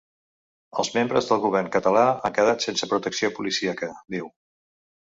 Els membres del govern català han quedat sense protecció policíaca, diu.